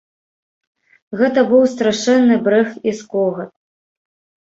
Гэта быў страшэнны брэх і скогат.